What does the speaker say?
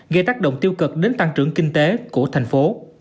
gây tác động tiêu cực đến tăng trưởng kinh tế của thành phố